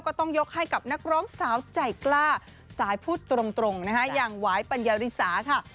ก็ต้องยกให้กับนักร้องสาวใจกล้าสายพูดตรงนะคะอย่างหวายปัญญาริสาค่ะ